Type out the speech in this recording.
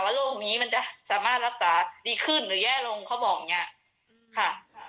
โรคนี้มันจะสามารถรักษาดีขึ้นหรือแย่ลงเขาบอกอย่างนี้ค่ะ